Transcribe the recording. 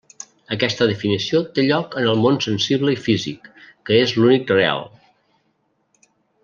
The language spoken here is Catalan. Aquesta definició té lloc en el món sensible i físic, que és l'únic real.